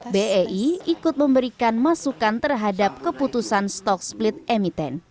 bei ikut memberikan masukan terhadap keputusan stock split emiten